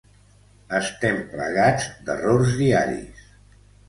Estem plagats d'errors diaris.